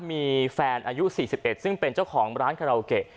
มีแฟนอายุ๔๑ซึ่งเป็นเจ้าของร้านคาราโอเกะ